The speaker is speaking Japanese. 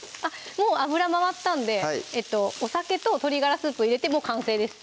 もう油回ったんでお酒と鶏ガラスープ入れてもう完成です